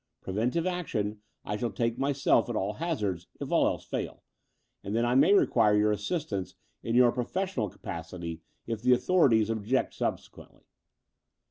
Preventive action I shall take myself at all hazards, if all else fail; and then I may require your assistance in your professional capacity if the authorities object subsequently.